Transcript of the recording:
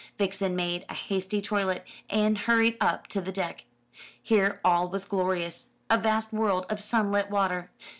Vixen made a hasty toilet, and hurried up to the deck. Here all was glorious. A vast world of sunlit water.